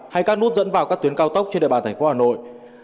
hay các nút dẫn vào các tuyến cao tốc trên địa bàn thành phố hà nội